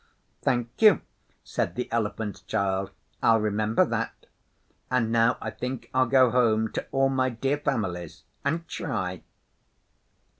'Thank you,' said the Elephant's Child, 'I'll remember that; and now I think I'll go home to all my dear families and try.